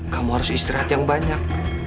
kamu harus istirahat yang banyak